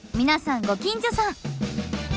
皆さんご近所さん！